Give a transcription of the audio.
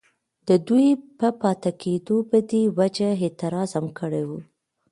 ددوي پۀ پاتې کيدو پۀ دې وجه اعتراض هم کړی وو،